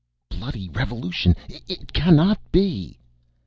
"Bloody revolution, it cannot be!"